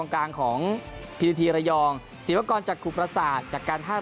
กลางของพีทีทีระยองศิลปกรณ์จากครูพระศาสตร์จากการท่า